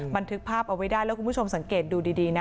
บันทึกภาพเอาไว้ได้แล้วคุณผู้ชมสังเกตดูดีนะ